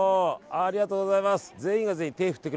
ありがとうございます。